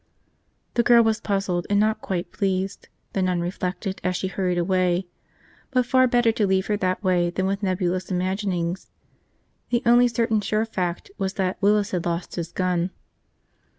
The girl was puzzled and not quite pleased, the nun reflected as she hurried away. But far better to leave her that way than with nebulous imaginings. The only certain sure fact was that Willis had lost his gun.